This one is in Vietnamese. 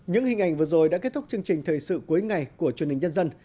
những hình ảnh vừa rồi đã kết thúc chương trình thời sự cuối ngày của truyền hình nhân dân